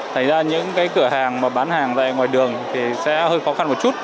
thành ra những cái cửa hàng mà bán hàng về ngoài đường thì sẽ hơi khó khăn một chút